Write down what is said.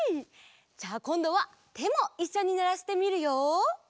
じゃあこんどはてもいっしょにならしてみるよ。